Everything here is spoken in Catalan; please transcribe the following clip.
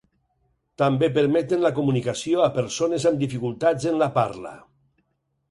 També permeten la comunicació a persones amb dificultats en la parla.